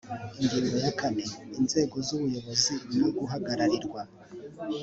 ingingo ya kane inzego z ubuyobozi no guhagararirwa